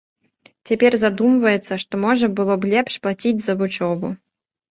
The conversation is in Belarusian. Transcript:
Цяпер задумваецца, што можа было б лепш плаціць за вучобу.